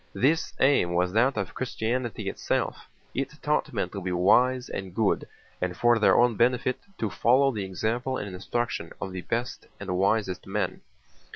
This aim was that of Christianity itself. It taught men to be wise and good and for their own benefit to follow the example and instruction of the best and wisest men.